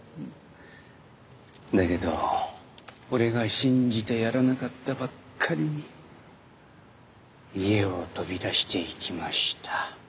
だけど俺が信じてやらなかったばっかりに家を飛び出していきました。